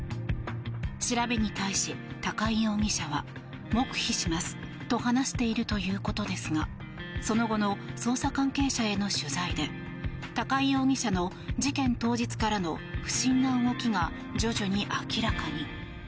調べに対し高井容疑者は黙秘しますと話しているということですがその後の捜査関係者への取材で高井容疑者の事件当日からの不審な動きが徐々に明らかに。